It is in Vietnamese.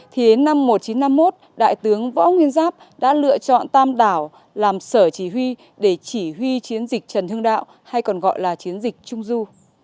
thì đến năm một nghìn chín trăm năm mươi một đại tướng võ nguyên giáp đã lựa chọn tàm đảo làm sở chỉ huy để chỉ huy chiến dịch trần thương đạo hay còn gọi là chiến dịch trung du